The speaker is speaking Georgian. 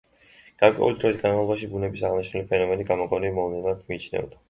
გარკვეული დროის განმავლობაში ბუნების აღნიშნული ფენომენი გამოგონილ მოვლენად მიიჩნეოდა.